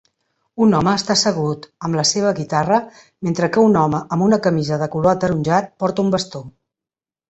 Un home està assegut amb la seva guitarra mentre que un home amb una camisa de color ataronjat porta un bastó.